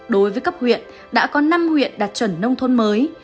đối với cấp huyện đã có năm huyện đạt chuẩn nông thôn mới